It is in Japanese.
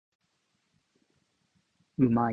うまい